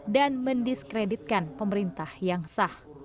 dan mendiskreditkan pemerintah yang sah